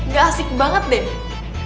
gak asik banget deh